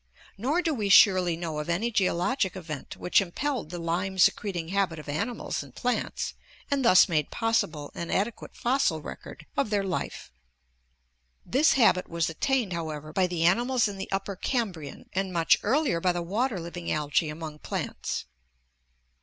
Nor do we surely know of any geologic event which «7 688 ORGANIC EVOLUTION impelled the lime secreting habit of animals and plants and thus made possible an adequate fossil record of their life. This habit was attained, however, by the animals in the Upper Cambrian, and much earlier by the water living algae among plants.